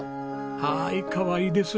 はいかわいいです。